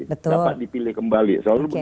dapat dipilih kembali